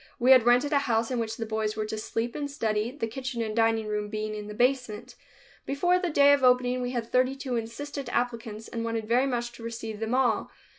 We had rented a house in which the boys were to sleep and study, the kitchen and dining room being in the basement. Before the day of opening we had thirty two insistent applicants and wanted very much to receive them all.